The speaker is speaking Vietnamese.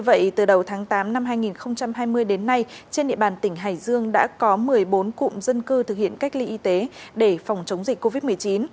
vậy từ đầu tháng tám năm hai nghìn hai mươi đến nay trên địa bàn tỉnh hải dương đã có một mươi bốn cụm dân cư thực hiện cách ly y tế để phòng chống dịch covid một mươi chín